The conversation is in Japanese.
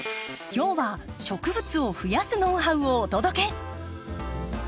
今日は植物を増やすノウハウをお届け！